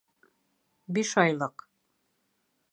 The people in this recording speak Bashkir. Биш айлыҡ!